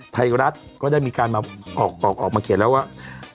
ไทยรัฐก็ได้มีการมาออกมาเขียนแล้วว่า